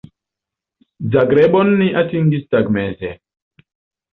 Zagrebon ni atingis tagmeze.